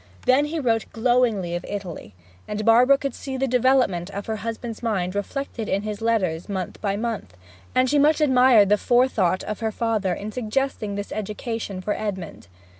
Then he wrote glowingly of Italy; and Barbara could see the development of her husband's mind reflected in his letters month by month; and she much admired the forethought of her father in suggesting this education for Edmond.